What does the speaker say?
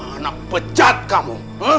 anak pecat kamu